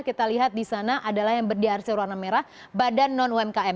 kita lihat disana adalah yang diarsir warna merah badan non umkm